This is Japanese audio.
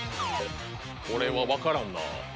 これはわからんな。